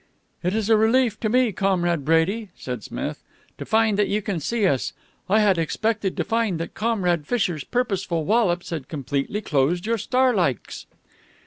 "It is a relief to me, Comrade Brady," said Smith, "to find that you can see us. I had expected to find that Comrade Fisher's purposeful wallops had completely closed your star likes."